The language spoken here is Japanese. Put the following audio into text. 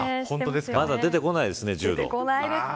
まだ出てこないですね